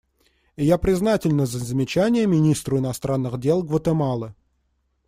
И я признательна за замечания министру иностранных дел Гватемалы.